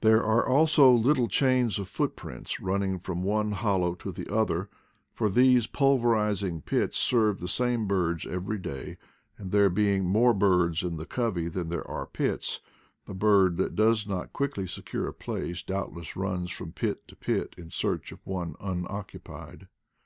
There are also little chains of footprints running from one hollow to the other; 130 IDLE DAYS IN PATAGONIA for these pulverizing pits serve the same birds every day, and, there being more birds in the covey than there are pits, the bird that does not qnickly secure a place doubtless runs from pit to pit in search of one unoccupied.